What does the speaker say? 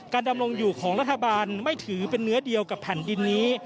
ดำรงอยู่ของรัฐบาลไม่ถือเป็นเนื้อเดียวกับแผ่นดินนี้